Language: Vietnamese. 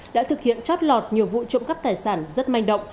đã thực hiện chót lọt nhiều vụ trộm cắp tài sản rất manh động